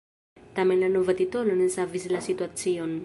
Tamen la nova titolo ne savis la situacion.